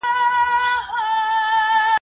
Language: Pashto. ما خو ستا څخه څو ځله اورېدلي